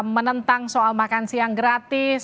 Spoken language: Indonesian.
menentang soal makan siang gratis